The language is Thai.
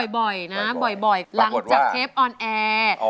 ปรากฏว่าออนแอร์ไป